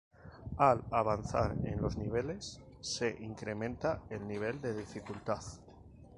Al avanzar en los niveles, se incrementa el nivel de dificultad.